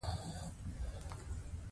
روسانو د شیطانت کولو رول درلود.